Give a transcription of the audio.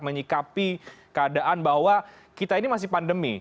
menyikapi keadaan bahwa kita ini masih pandemi